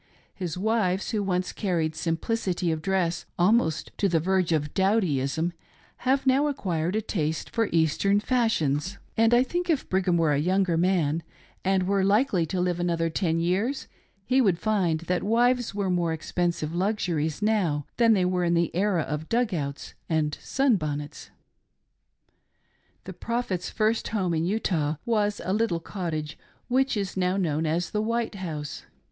His wives who once carried sim plicity of dress almost to the verge of dowdyism, have now acquired a taste for Eastern fashions, and I think if Brigham '2^2 BHIGHAM YOUNG AT HOME. *ere a youligfer man and were likely to live another ^ten years he Would find that wives were more expensive luxuries now than they were in the era of "dug outs" and sun bonnets. 'The Prophet's first home in Utah was a little cottage which is now known as the White House.